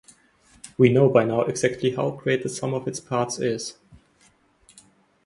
We know by now exactly how great the sum of its parts is.